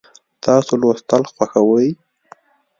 تاسو لوستل خوښوئ؟